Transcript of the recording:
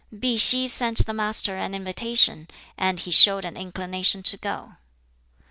Pih Hih sent the Master an invitation, and he showed an inclination to go.